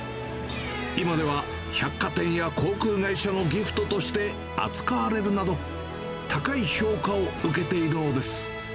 今では百貨店や航空会社のギフトとして扱われるなど、高い評価を受けているのです。